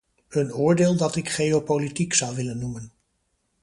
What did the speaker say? Een oordeel dat ik geopolitiek zou willen noemen.